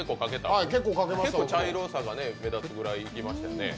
茶色さが目立つぐらいいきましたよね。